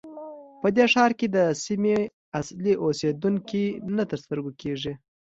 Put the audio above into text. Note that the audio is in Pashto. په دې ښار کې د سیمې اصلي اوسېدونکي نه تر سترګو کېږي.